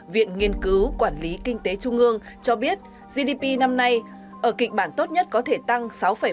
viện nghiên cứu quản lý kinh tế trung ương cho biết gdp năm nay ở kịch bản tốt nhất có thể tăng sáu bốn mươi tám